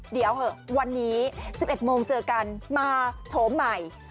เดี๋ยวเหอะวันนี้๑๑โมงเจอกันมาโฉมใหม่